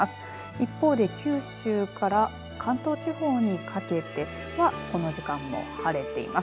一方で九州から関東地方にかけてこの時間も晴れています。